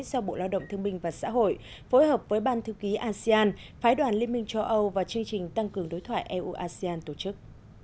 do bộ lao động thương minh và xã hội phối hợp với ban thư ký asean phái đoàn liên minh châu âu và chương trình tăng cường đối thoại eu asean tổ chức